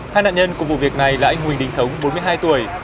hai nạn nhân của vụ việc này là anh huỳnh đình thống bốn mươi hai tuổi